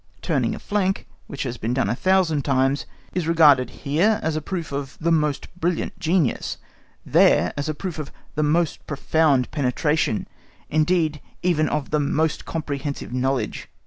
Turning a flank, which has been done a thousand times, is regarded here as a proof of the most brilliant genius, there as a proof of the most profound penetration, indeed even of the most comprehensive knowledge.